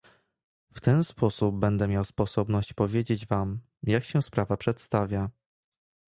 "W ten sposób będę miał sposobność powiedzieć wam, jak się sprawa przedstawia."